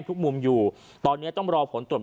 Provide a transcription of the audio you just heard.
ทุกมุมอยู่ตอนนี้ต้องรอผลตรวจ